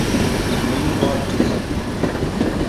Min bar kiriye.